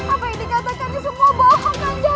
apa yang dikatakan itu semua bahan kanda